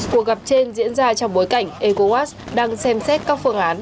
cuộc gặp trên diễn ra trong bối cảnh ecowas đang xem xét các phương án